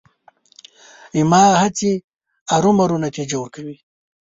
زما هڅې ارومرو نتیجه ورکوي.